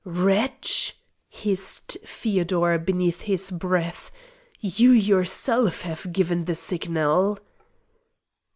"Wretch!" hissed Feodor beneath his breath; "you yourself have given the signal!"